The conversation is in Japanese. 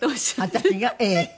私が？ええ。